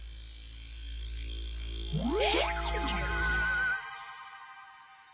えっ？